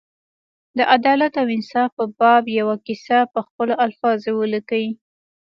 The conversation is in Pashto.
د عدالت او انصاف په باب یوه کیسه په خپلو الفاظو ولیکي.